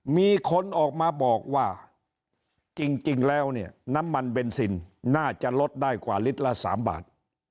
มีคนออกมาบอกว่าจริงแล้วเนี่ยน้ำมันเบนซินน่าจะลดได้กว่าลิตรละ๓บาท